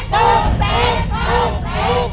ถูก